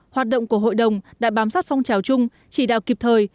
hoạt động của hội đồng đã bám sát phong trào chung chỉ đạo kịp thời